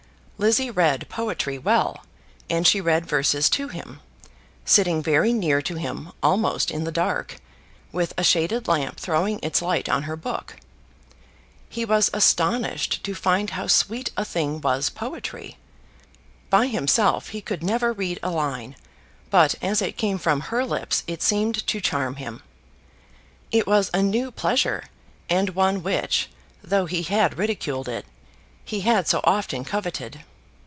Lizzie read poetry well, and she read verses to him, sitting very near to him, almost in the dark, with a shaded lamp throwing its light on her book. He was astonished to find how sweet a thing was poetry. By himself he could never read a line, but as it came from her lips it seemed to charm him. It was a new pleasure, and one which, though he had ridiculed it, he had so often coveted!